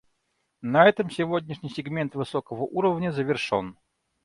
На этом сегодняшний сегмент высокого уровня завершен.